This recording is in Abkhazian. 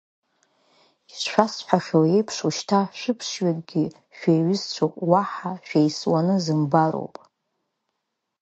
Ишшәасҳәахьоу еиԥш, ушьҭа шәыԥшьҩыкгьы шәеиҩызцәоуп, уаҳа шәеисуаны зымбароуп.